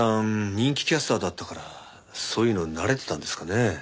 人気キャスターだったからそういうの慣れてたんですかね？